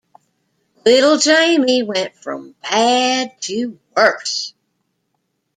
Little Jamie went from bad to worse.